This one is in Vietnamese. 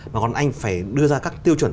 mà còn anh phải đưa ra các tiêu chuẩn